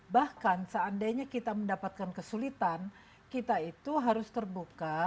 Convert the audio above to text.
bahkan seandainya kita mendapatkan kesulitan kita itu harus terbuka